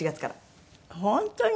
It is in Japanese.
本当に？